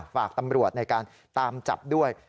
ฝากตำรวจในการตามจับด้วย